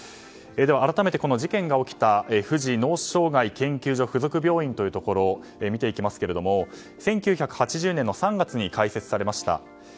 改めて、この事件が起きた富士脳障害研究所属附属病院を見ていきますけど１９８０年３月に開設されました。